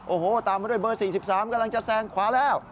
โอ้โหตามมาด้วยเบอร์๔๓กำลังจะแซงขวาแล้ว